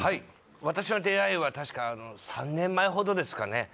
私の出会いはたしか３年前ほどですかね